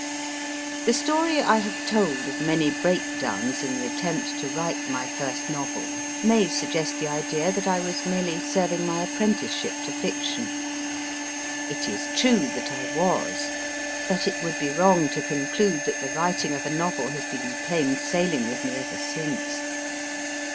The story I have told of many breakdowns in the attempt to write my first novel may suggest the idea that I was merely serving my apprenticeship to fiction. It is true that I was, but it would be wrong to conclude that the writing of a novel has been plain sailing with me ever since.